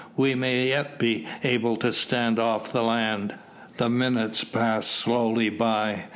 We may yet be able to stand off the land." The minutes passed slowly by.